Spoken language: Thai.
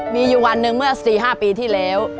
มีอยู่วันหนึ่งเมื่อ๔๕ปีที่แล้ว